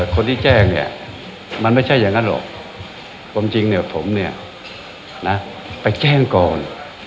คนที่แจ้งเนี่ยมันไม่ใช่อย่างนั้นหรอกความจริงเนี่ยผมเนี่ยนะไปแจ้งก่อน